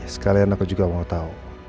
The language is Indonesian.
sekalian aku juga mau tahu